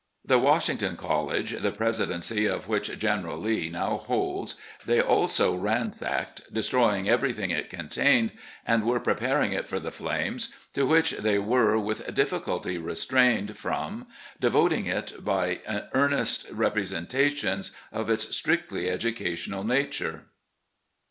The Washington College, the presidency of which (General Lee now holds, they also ransacked, destroying ever3rthing it contained, and were preparing it for the flames, to which they were with difficulty restrained from devoting it by earnest repre sentations of its strictly educational nature."